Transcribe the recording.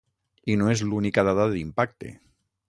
I no és l’única dada d’impacte.